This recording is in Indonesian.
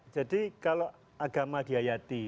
jadi kalau agama diayati